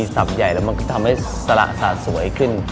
สับใหญ่มัดทำให้สละสาสวยขึ้น